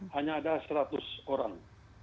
hanya ada seratus orang